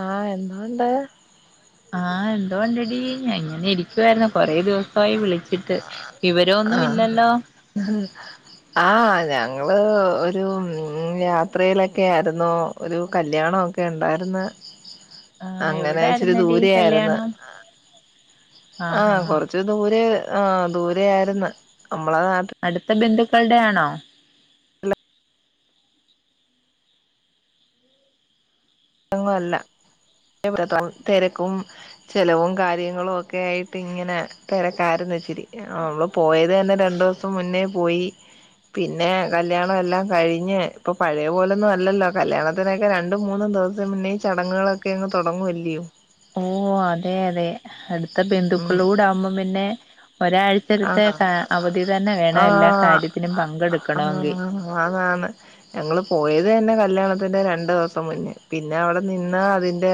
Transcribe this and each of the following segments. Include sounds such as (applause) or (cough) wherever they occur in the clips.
ആ എന്തോണ്ട് ആ എന്തൊടാടി ഞാൻ ഇങ്ങനെ ഇരിക്കുവായിരുന്നു കൊറെ ദിവസമായി വിളിച്ചി ട്ട് വിവരൊന്നും ആഹ് ഇല്ലല്ലോ ആഹ് ഞങ്ങള് ഒരു യാത്രയിലൊക്കെ ആയിരുന്നു ഒരു കല്യാണ ഓക്കെ ഉണ്ടായിരുന്ന് ആ എവിടായിരുന്നടി കല്യാണം ആ ആഹാ കൊറച്ച് ദൂരെ ആ ദൂരൊയിരുന്നു നമ്മളെ നാട്ടി അടുത്ത ബന്ധുക്കളുടെ ആണോ അങ്ങ അല്ല തിരക്കും ചെലവും കാര്യങ്ങളും ഒക്കെ ആയിട്ട് ഇങ്ങനെ തിരക്കാരുന്ന് ഇച്ചിരി അവളോപോയത് തന്നെ രണ്ടു ദിവസം മുന്നേ പോയി പിന്നെ കല്യാണം എല്ലാം കഴിഞ്ഞ് ഇപ്പൊ പഴയ പോലൊന്നും അല്ലല്ലോ കല്യാണത്തിനൊക്കെ രണ്ടും മൂന്നും ദിവസം മുന്നേ ചടങ്ങുകളൊക്കെ അങ്ങ് തൊടങ്ങുല്ലയോ ഓ അതെ അതെ അടുത്ത ഉം ബന്ധുക്കളൂട ആകുമ്പോം പിന്നെ ഒരാഴ്ചടുത്ത് ആഹ് അവധി തന്നെ വേണ എല്ലാ ആഹ് കാര്യത്തിനും പങ്കെടുക്കണങ്കിൽ ഞങ്ങള്പോയ തന്നെ കല്യാണത്തിന്റെ രണ്ടു ദിവസം മുന്നേ പിന്നെ അവിടെ നിന്ന് അതിന്റെ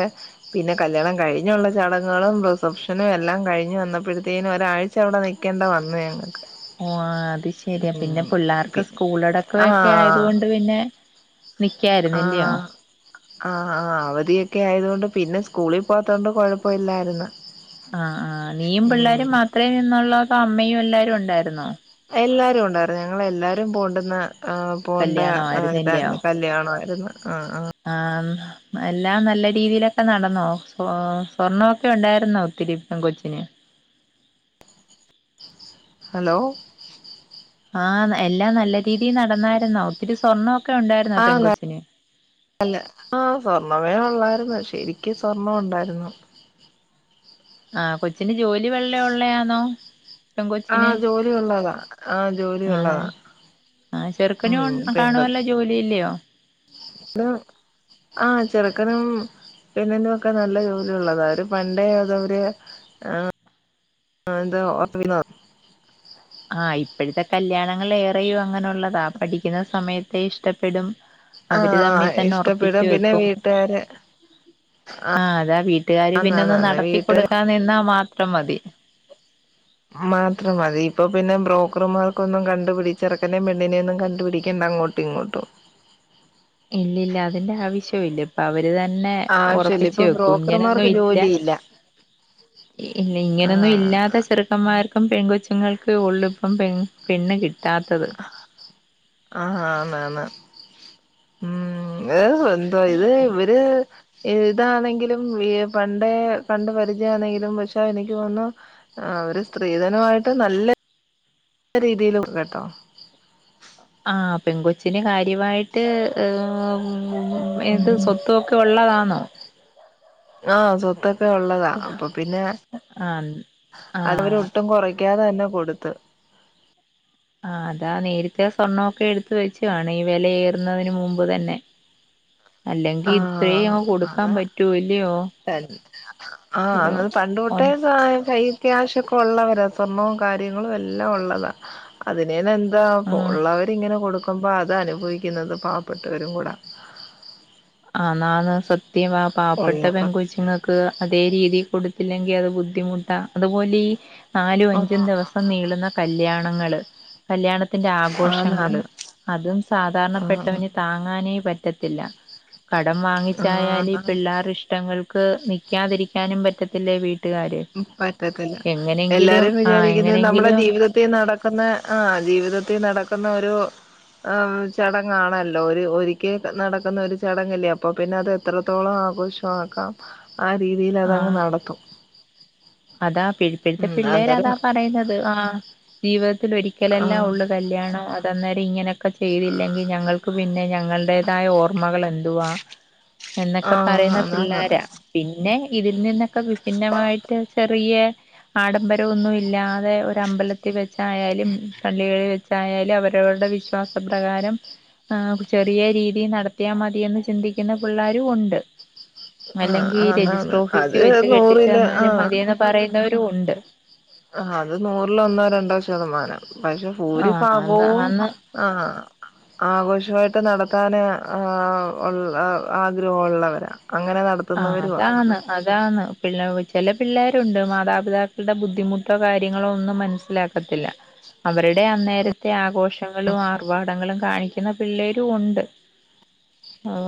പിന്നെ കല്യാണം കഴിഞ്ഞുള്ള ചാട ങ്ങളും റിസപ്ഷനും എല്ലാം കഴിഞ്ഞു വന്നപ്പോഴത്തേക്കും ഒരാഴ്ച അവിടെ നിൽക്കേണ്ട വന്നു ഞങ്ങൾക്ക് ഓഹ് അത് ശെരിയാ പിന്നെ പിള്ളേർക്ക് പിന്നെ സ്കൂള അടക്കമൊക്കെ ആയത് ആഹ് കൊണ്ട് പിന്നെ നിക്കായിരുന്നില്ലയോ ആഹ ആ് അവധിയൊക്കെ ആയതൊണ്ട് പിന്നെ സ്കൂളിൽ പോത്തോണ്ട് കൊഴപ്പ ഇല്ലായിുന്ന ആ ആനീയും പിള്ളോരും മാത്രമേ നിന്നുള്ളതോ അമ്മയും എല്ലാരും ഉണ്ടായിരുന്നോ എല്ലാരും ഉണ്ട ഞങ്ങള എല്ലാരും പോണ്ടുന്ന ആ പോണ്ട കല്യാണം ആയിരുന്നില്ലയോ ഇതായിരുന്നു കല്യാണമായിരുന്നു ആ ആ ആഹ് എല്ലാം നല്ല രീതിയിലൊക്കെ നടന്നോ സ് സ്വർണൊക്കെ ഉണ്ടായിരുന്നോ ഒത്തിരി കൊച്ചിന് (unintelligible) ഹലോ ആഹ് എല്ലാം നല്ല രീതിയിൽ നടന്നായിരുന്നോ ഒത്തിരി സ്വർണ്ണം ആഹല്ല ആ സ്വർണ്ണ അയ ഉള്ളായിരുന്നു ശരിക്ക സ്വർണ ഉണ്ടായിരുന്നു ആഹ് കൊച്ചിന്റെ ജോലി വല വെള്ള ഉള്ളയാണോ പെൻ കൊച്ചിന് ആഹ് ജോലി ഉള്ളതാ ആഹ് ജോലി ആഹ് ഉള്ളതാ ആഹ ഉം ചെറുക്കനും കാണുവല്ലോ ജോലി ഇല്ലയോ ഇ ആഹ് ചെറുക്കനും പിന്നെ പെണ്ണിനൊക്കെ നല്ല ജോലിള്ളതാ അവര് പണ്ട അതര് ആഹ് എന്ത ഓത്തവിത ആഹ് ഇപ്പോഴത്തെ കല്യാണങ്ങൾ ഏറെയയും അങ്ങനെള്ളതാ പഠിക്കുന്ന സമയത്തെ ഇഷ്ടപ്പെടും അവര് തമ്മി ആഹ് തന്നെ ഉറപ്പിച്ചു ഇഷ്ടപ്പെടും പിന്നെ വെക്കും വീട്ടുകാര് ആഹ് അതാ വീട്ടുകാാര് പിന്നെ ഒന്ന് ആന്നാന്നാന്ന് നടത്തി വീട്ടുകാര് കൊടുക്കാ നിന്നാ മാത്ര മാത്രംമതി മാത്രം അതി ഇപ്പൊ പിന്നെ ബ്രോക്കർമാർക്കൊന്നും കണ്ടുപിടച്ച് ചെറക്കൻെ പെണ്ണിനെയൊന്നും കണ്ടുപിടിക്കണ്ട അങ്ങോട്ടും ഇങ്ങോട്ടും ഇല്ലല്ല അതിന്റെ ആവശ്യവും ഇല്ല ഇപ്പൊ അവര് ഇത് തന്നെ ആവശ്യല്ല ഇപ്പൊ ഉറപ്പിച്ചച്ച് വെക്കും ഇങ്ങനൊന്നും ബ്രോക്കർമാർക്ക് ഇല്ല ജോലിയില്ല ഇല്ല ഇങ്ങനൊന്നും ഇല്ലാത ആഹ് ചെറുക്കന്മാർക്ക് ക്കം പെൺ കൊച്ചുങ്ങൾക്ക് ഉള്ളിപ്പം പണ് കിട്ടും ആഹന്നന്ന ഉം ഏഹ് എന്താ ഇത് ഇവര് ഇതാണെങ്കിലും പണ്ടേ കണ്ട് പരിചയ ആണെങ്കിലും പക്ഷെ എനിക്ക് തോന്നുന്നു അവര് സ്ത്രീധനമായിട്ട് നല്ല നല്ല രീതിയില കേട്ടോ ആഹ് പെൺ കൊച്ചിന് കാര്യമായിട്ട് ഉ ഇത് സ്വത്തൊക്കെ ഉള്ളതാണോ ള്ളത അപ്പൊ പിന്നെ ആഹ് അതവർ ആഹ് ഒട്ടും കുറ നിക്കാതെ തന്നെ കൊടുത്ത് ആഹ് അതാ നേരിത്തെ സ്വർണ്ണമൊക്കെ എടുത്ത വെച്ചുുവാണ് ഈ വിലയഏറുന്നതിന് മുമ്പ് തന്നെ അല്ലെങ്കി ഇത്രയും അങ്ങ് കൊടുക്കാൻ പറ്റൂല്ലയോ തന്നെ ആ ഒരു എന്നത് ഒ പണ്ടൊട്ടേ കൈ ക്യാഷ ഒക്കെ ഉള്ളവരാ സ്വർണ്ണവും കാര്യങ്ങളും എല്ലാം ഉള്ളതാ അതിനനെ എന്ത അ ആഹ് ഉള്ളവരിങ്ങനെ കൊടുക്കുമ്പോ അത് അനുഭവിക്കുന്നത് പാവപ്പെട്ടവരും കൂടാ ആഹ് എന്നാണ് സത്യം ആ പാവപ്പെട്ട ഉള്ളവർ പെൻങ്ക കൊച്ചുങ്ങൾക്ക് അതേ രീതി കൊടു പത്തില്ലെങ്കിൽ അത് ബുദ്ധിമുട്ടാ അതുപോലെ ഈ നാലും അഞ്ചും ആഹ് ദിവസം നീളുന്ന കല്യാണങ്ങള് കല്യാണത്തിന്റെ ആന്ന് ആഘോഷങ്ങള് ആന്ന് അതും ആഹ് സാധാരണപ്പെട്ടവന് താങ്ങാനേ പറ്റ റ്റത്തില്ല കടം ആഹ് വാങ്ങിച്ചായാൽ ആന്ന് പിള്ളേര് ഇഷ്ടങ്ങൾ ക്ക് നിക്കാതിരിക്കാനും പറ്റത്തില്ല വീട് - - പറ്റത്തില്ല എല്ലാരും ആ വിചാരിക്കുന്നത് നമ്മളെ എങ്ങനെങ്കിലും ജീവിതത്തിൽ നടക്കുന്ന ആ ജീവി ജീവിതത്തിൽ നടക്കുന്ന ഒരു ആ ചടങ്ങാണല്ലോ ഒരു ഒരിക്കൽ നടക്കുന്ന ഒരു ചടങ്ങല്ലേ അപ്പൊ പിന്നെ അത് എത്രത്തോളം ആഘോഷമാക്കാം ആ രീതിൽ ആ അതങ്ങ് നടത്തും. അതാ ഇപ്പകെ ഉം അന്നേരം പിള്ളേരതാ പറയുന്നത് ആ ജീവ് ത്തി ആ ഒരിക്കലല്ലാ ഉള്ളത് കല്യാണം അത് അന്നേരം ഇങ്ങനെയൊക്കെ ചെയ്തില്ലെങ്കിൽ ഞങ്ങൾക്ക് പിന്നെ ങ്ങളടേതായ ഓർമ്മകൾ എന്തുവാ ആ എന്നൊക്കെ പറയുന്ന അതാണ് പിള്ളോര പിന്നെ. ഇതിൽ നിന്നൊക്കെ വിഭിന്നമായിട്ട് ചെറിയെ ആഡംബരംൊ ഒന്നും ഇല്ലാതെ ഒരു അമ്പലത്തിൽ വെച്ചായാലും പള്ളികളിൽ വെച്ചായാലും അവര ടെ വിശ്വാസ പ്രകാരം. ആർ ചെറിയ രീതി നടത്തിയാ മതിയെന്ന് ചിന്തിക്കുന്ന പിള്ളരും ഉണ്ട്. ആ അല്ലെങ്കി രജിസ്റ്റർ അതാണ് ഓഫീസി അത് വെച്ച് കെട്ടിച്ചു നൂറില് തന്നാലും ആ മതിയന്ന് പറയുന്നവരും ഉണ്ട്. ആ അത് നൂറില് ഒന്നോ രണ്ടോ ശതമാനം. പക്ഷെ ആഹ് അന്ന് ഭൂരിഭാഗവും ആന്ന് ആ ആഘോഷായിട്ട് ഒ നടത്താൻ ആ ആഗ്രഹോള്ളവരാ ആ അതാണ് അതാണ് പിള്ള ചില പിള്ളേരുണ്ട് മാതാപിതാക്കളുടെ ബുദ്ധിമുട്ടോ കാര്യങ്ങളോ ഒന്നും മനസ്സിലാക്കത്തില്ല. അവരുടെ അന്നേരത്തെ ആഘോഷ ഷങ്ങളും ആർഭാടങ്ങളും കാണിക്കുന്ന പിള്ളേരും ഉണ്ട്.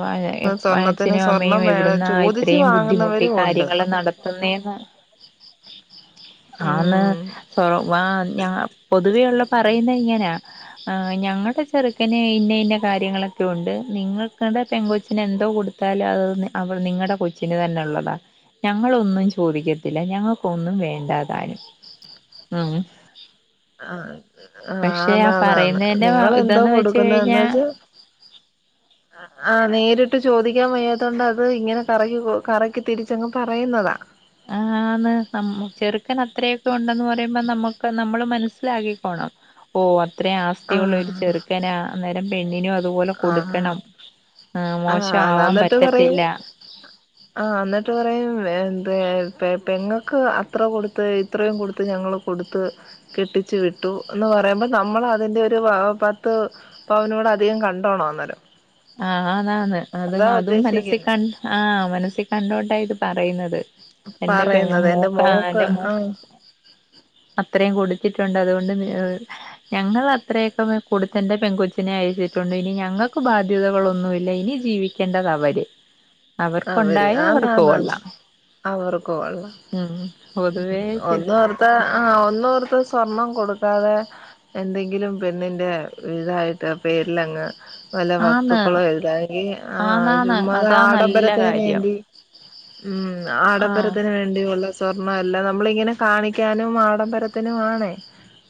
ആ സ്വർണത്തിന് അച്ഛനും സ്വർണം അമ്മയും എവി വേണം ആ ചോദിച്ചു ഇത്രയും ബുദ്ധിമുട്ടി വാങ്ങുന്നവരും ഉണ്ട് കാര്യങ്ങൾ നടത്തുനേനും ആന്ന് ഉം സ്രാവ ആ ഞാ പൊതുവേ ഉള്ള പറയുന്ന ഇങ്ങനാ ആ ഞങ്ങളുടെ ചെറുക്കന് ഇന്ന ഇന്ന കാര്യങ്ങളൊക്കെ ഉണ്ട് നിങ്ങൾക്കത് പെങ്കോച്ചിന് എന്തോ കൊടു ത്താലും അത് നിങ്ങളുടെ കൊച്ചിന് തന്നെ ഉള്ളതാ. ഞങ്ങളൊന്നും ചോദിക്കത്തില്ല ഞങ്ങൾക്ക് ഒന്നും വേണ്ടാതാനും ഉം. ആ പക്ഷെ ആ ആന്നാന്നാന്ന് പറയുന്നതിന്റെ നിങ്ങളെന്തോ ഇതന് വെച് കൊടുക്കുന്നന്ന് കഴിഞ്ഞാ വെച്ചാ (unintelligible) ആ നേരിട്ട് ചോദിക്കാൻ വയ്യാതുകൊണ്ട് അത് ഇങ്ങനെ കറ കറക്കി തിരിച്ചങ്ങ് പറയുന്നതാ. ആ ആന്ന് ചെറുക്കന് അത്രയൊക്കെ ഉണ്ടെന്ന് പറയുമ്പോ നമുക്ക് നമ്മള് മനസ്സിലാക്കിക്കോണം ഓ അത്രേ ആ ആസ്തിയുള്ള ഒരു ചെറുക്കനാ അന്നേരം പണ്ണിനെ അതുപോലെ ആ കൊടുക്കണം ആ മോശംമാവാൻ പറ്റത്തില്ല ആ എന്നിട്ട് പറയും എന്ത പെങ്ങക്ക് അത്ര കൊടുത്ത് ഇത്രയും കൊടുത്ത് ഞങ്ങള്. കെട്ത്ത് കെട്ടിച്ച് വിട്ടുന് പറയുബോ നമ്മളതിന്റെ പത്ത പവന നിങ്ങൾ അധികം കണ്ടോണോ അന്നേരം. ആ അതാണ് അതും അതാ അതും മനസ്സിൽ ഉദ്ദേശിക്കുന്നെ കണ് ആ മനസ്സിൽ കണ്ട്ണ് ഇത് പറയുന്നത്. എന്റെ പെ പറയുന്നത് എന്റെ മൂക്ക മോക്ക് എന്റെ മൂ അ ആഹ് (unintelligible) അത്രയും കുടിച്ചിട്ടുണ്ട് അതുകൊണ്ട് ഞങ്ങൾ അത്രയൊക്കെ കൊടുത്ത എന്റെ പെൺകുച്ചിനെ അയച്ചിട്ടുണ്ട് ഇനി ഞങ്ങൾക്ക് ബാധ്യതകളൊന്നുമല്ല ഇനി ജീവിക്കേണ്ടത് അവര്. അവർക്കുണ്ടായ അവർക്ക് കൊള്ളാം. അവർക്ക കൊള്ള ഉം പൊതുവേ ഒന്നോർത്ത ആ ഒന്നോർത്ത സ് സ്വർണം കൊടുക്കാതെ എന്തെങ്കിലും പെണ്ണിൻ്റെ ഇതായിട്ട് പേരിലങ്ങ് വല്ല ആന്ന് വസ്തുക്കളേ എഴുതാന് ആ ആന്നാന്ന് ചുമ്മാത അതാ നല്ല ആഡംബരത്തിന് കാര്യം വേണ്ടി ഉം ആഹ് ആഡംബരത്തിന് വേണ്ടിയുള്ള സ സ്വർണ അല്ല നമ്മള് ഇങ്ങനെ കാണിക്കാനും ആഡംബരത്തിനും ആണേ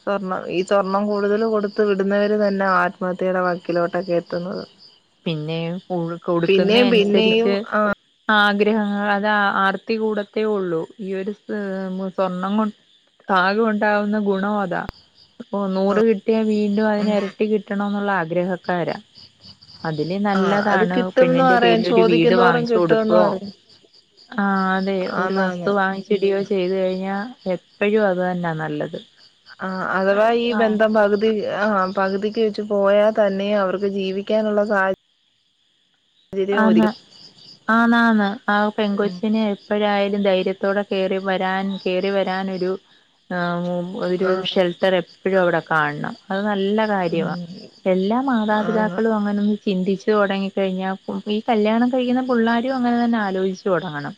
സ്വർണം ഈ സ്വർണ്ണം കൂടുതൽ കൊടുത്ത വിടുന്നവര് തന്നെയ ആത്മഹത്യയുടെ വക്കിലോട്ടൊക്കെ എത്തുന്നത്. പിന്നെ ഉൾ കൊടുക്കുന്ന പിന്നെയും പിന്നെയും അനുസരിച്ച് ആ ആഗ്രഹങ്ങൾ അത് ആർ ആർത്തി കൂടത്തേ ഉള്ളൂ ഈ ഒരു സ്വർണം കൊണ്ട്. കാകേ ഉണ്ടാവുന്ന ഗുണം അതാ ഓ നൂറ് കിട്ടിയ വീണ്ടും അതിന് ഉം ഇരട്ടി കിട്ടണന്നുള്ള ആഗ്രഹക്കാര അതില് ആ അത് നല്ലതാണ് കിട്ടുംന്ന് പെണ്ണിന്റെ പറയും പേരിലൊരു വീട് ചോദിക്കുന്തോറും വാങ്ങിച്ചു കിട്ടുംന്ന് കൊടുക്കുവോ പറയും ആ അതെ ഒരു വസ്തു ആന്നാന്ന് വാങ്ങിച്ചിടിയോ ചെയ്തു കഴിഞ്ഞാ എപ്പഴും അത് തന്നാ നല്ലത്. ആ അഥവാ ഈ ആ ബന്ധം പകുതി ആഹ് പകുതിക്ക് പോയാ തന്നെ അവർക്ക് ജീവിക്കാനുള്ള സാ ആന്ന ആന്നന്ന ആ ഉം പെൺകൊച്ചിന് എപ്പോഴായാലും ധൈര്യ ത്തോടെ കേറി വരാൻ കേറിവരാനൊരു അ ഒരു ആ ഷെൽട്ടർ എപ്പോ പ്പോഴു അവിടെ കാണണം അത് നല്ല കാര്യമാ. ഉം എല്ലാ ആന്ന് മാതാപിതാക്കളും അങ്ങനൊന്ന് ചിന്തിച്ചൊടങ്ങികഴിഞ്ഞാ ഈ കല്യാണം കഴിക്കുന്ന പുള്ളോരും അങ്ങനെതന്നെ ആലോയ്ചൊടങ്ങണം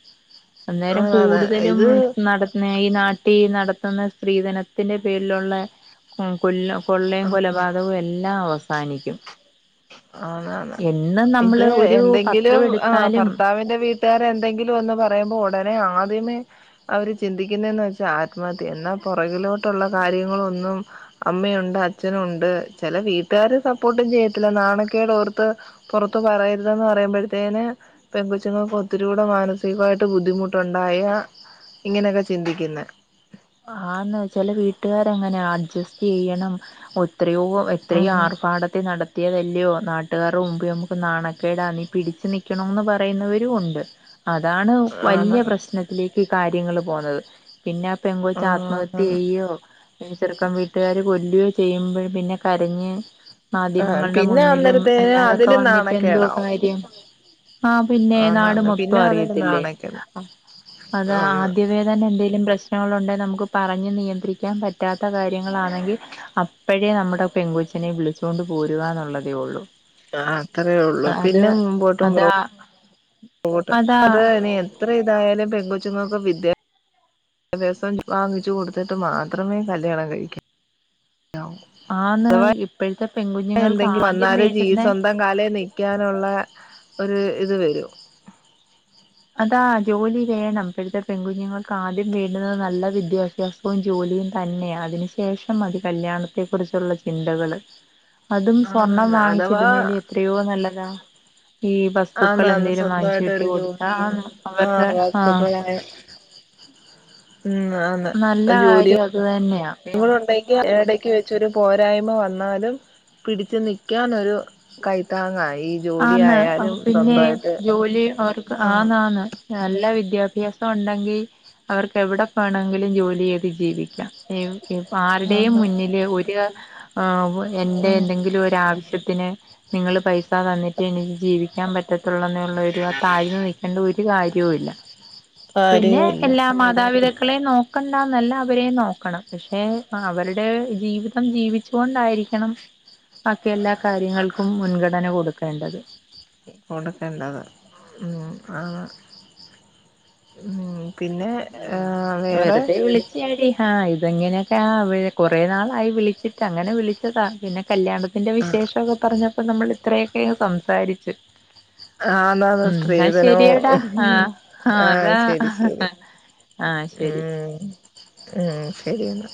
അന്നേരം ആ അതെ കൂടുതലും ഇത് നടന്ന ഈ നാ ട്ടി നടത്തുന്ന സ്ത്രീധനത്തിന്റെ പേരിലുള്ള കൊല്ല കൊള്ളയും ആ കൊലപാതകവും എല്ലാ അവസാനിക്കും. ആന്നാന്ന് എന്നും നമ്മള് ഇത് ഒരു എന്തെങ്കിലും പത്രം ആ എടുത്താലും ഭർത്താവിന്റെ വീ ട്ടാരെന്തെങ്കിലൊന്ന് പറയുമ്പോ ഉടനെ ആദ്യമേ അവര് ചിന്തിക്കുന്നന്ന് വെച്ചാ ആത്മഹത്യ എന്നാ പുറകിലോട്ടുള്ള കാര്യങ്ങളോന്നും അമ്മയുണ്ട് അച്ഛനുണ്ട് ചില വീട്ടുകാര് സപ്പോ ട്ട് ചെയ്യത്തില്ല നാണക്കേടോർത്ത്. പുറത്ത് പറയരുതെന്ന് പറയുമ്പോഴത്തേന് പെങ്കൊച്ചുങ്ങൾക്ക് ഒത്തിരി കൂടെ മാനസികമായിട്ട് ബുദ്ധിമുട്ടുണ്ടാ യ ഇങ്ങനൊക്കെ ചിന്തിക്കുന്നെ ആന്ന് ചെല വീട്ടുകാരങ്ങനെ അഡ്ജസ്റ്റ് ചെയ്യണം ഒ എത്രയോ എത്രയോ ഉം ആർഭാടത്തിൽ നടത്തിയതെല് ല്ലോ നാട്ടുകാരുമ്പി നമുക്ക് നാണക്കേടാ നീ പിടിച്ച് നിക്കണന്ന് പറയുന്നവരും ഒണ്ട്. അതാണ് വല്യ ആന്നാന്ന് പ്രശ്നത്തിലേക്ക് കാര്യങ്ങൾ പോകുന്നത് പിന്നെ പെങ്കൊച്ച് ആത്മത്യ ആന്നാന്ന് ചെയ്യോ ഇനി ചെറുക്കംവീട്ടുകാര് കൊല്ലോ ചെയ്യുമ്പഴ് പിന്നെ കരഞ്ഞ് ആ മാധ്യമങ്ങളുടെ പിന്നെ മുന്നിലും അന്നേരത്തേന് അല്ലാതൊക്കെ അതിലും വന്നിട്ട് എന്തോ നാണക്കേടാവും കാര്യം? ആഹ് പിന്നെ നാട് ആന്നാന്ന് മൊത്തം പിന്നെ അതില് അറിയത്തില്ലേ നാണക്കുന്നു അത് ആന്ന് ആദ്യമേ തന്നെ ന്തേലും പ്രശ് ങ്ങളുണ്ടെ നമുക്ക് പറഞ്ഞു നിയന്ത്രിക്കാൻ പറ്റാത്ത കാര്യങ്ങളാണെങ്കിൽ അപ്പഴേ നമ്മുടെ പെൺകൊച് ച്ചിനെ വിളിച്ചോണ്ട് പോരുവാന്നുള്ളതേള്ളൂ ആ അത്രേ ള്ളു പിന്നെ മുമ്പോട്ടും പുറ അതാ കോട്ട് അതാ അത് ഇനി എത്ര ഇതായാലും പെങ്കോച്ചുങ്ങക്ക് വിദ്യ ഭ്യസം വാങ്ങിച്ചു കൊടുത്തിട്ട് മാത്രമേ കല്യാണം കഴിക്ക ആന്ന് ഇപ്പോഴത്തെ പെൺകുഞ്ഞുങ്ങൾക്ക് എന്തെങ്കി ആദ്യം വന്നാല ജീ വേണ്ടുന്നെ സ്വന്തം കാലേ നിക്കാനൊള്ള ഒരു ഇത് വരൂ. അതാ ജോലി വേണം ഇപ്പഴത്തെ പെൺകുഞ്ഞുങ്ങൾക്ക് ആദ്യം വേണ്ടുന്നത് നല്ല വിദ്യാഭ്യാസവും ജോലി തന്നെയ അതിനു ശേഷം മതി കല്യാണത്തെ കുറിച്ചുള്ള ചിന്തകള്. അതും സ്വർണ്ണം ആന്നാന്ന് അഥവാ വാങ്ങിച്ചിടുന്നേല് എത്രയോ നല്ലതാ. ഈ വസ്തുക്കൾ ആന്നാന്ന് എന്തേലും സ്വന്തമായിട്ട് വാങ്ങിച്ച്ട്ടി ഒരു കൊടു ആ ജോലിയും ആ അവരുടെ ആ വസ്തുക്കളായ മ് ആന്ന് അ ജോലി കാര്യം അത് തന്നെയാ യുണ്ടെങ്കി എടക്ക് വെച്ചൊരു പോരായ്മ വന്നാലും പിട്ച്ച് നിക്കാനൊരു കൈത്താങ്ങായി. ആന്ന് പിന്നെ ജോലി അവർക്ക് ആഹ് ആന്നാന്ന് നല്ല വിദ്യാഭ്യാസം. ഉണ്ടെങ്കിൽ അവർക്ക് എവടെപോണങ്കിലും ജോലി ചെയ്ത് ജീവിക്കാം എവി ഇനിപ്പോ ആരുടെയും ആഹ് മുന്നില് ഒരു ആ ഉവ്വ് എൻ്റെ ആഹ് എന്തെങ്കിലും ഒരാവശ്യത്തിന് നിങ്ങൾ പൈസ തന്നിട്ട് എനിക്ക് ജീവിക് ക്കാൻ പറ്റത്തുള്ള എന്നുള്ളരു ആ താഴ്ന്ന നിൽക്കേണ്ട ഒരു കാര്യവും ഇല്ല പിന്നെ കാര്യവുല്ല എല്ലാ മാതാപിതാക് ക്കളെ നോക്കണ്ടാന്നല്ല അവരെ നോക്കണം പക്ഷെ അവരുടെ ജീവിതം ജീവിച്ചു കൊണ്ടായി ക്കണം വാക്കി എല്ലാ കാര്യങ്ങൾക്കും മുൻഗണന കൊടുക്കേണ്ടത് കൊടുക്കേണ്ടത് ഉം ആണ് ഉം പിന്നെ ആഹ് ഉം വേറെ വെറുതെ വിളിച്ചാടി ആഹ ഇതെങ്ങനെയൊക്കെ ആ കൊറെ നാളായി വിളിച്ചിട്ട് അങ്ങനെ വിളിച്ചതാ പിന്നെ കല്യാണത്തിന്റെ വിശേഷമൊക്കെ പറഞ്ഞപ്പോ നമ്മൾ ഇത്രയൊക്കെ സംസാരിച്ചു ആഎന്ന ഉം എന്നാ ശരിയടാ സ്ത്രീധനവും ആ ആ ആഹ അതാ ശരി ശരി ആ ശരി ഉം ഉം ശെരിന്നാ